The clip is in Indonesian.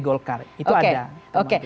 golkar itu ada oke oke